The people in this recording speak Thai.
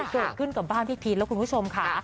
เกิดขึ้นกับบ้านพี่พีชแล้วคุณผู้ชมค่ะ